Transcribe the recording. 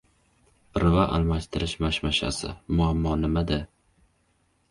"Prava" almashtirish mashmashasi. Muammo nimada?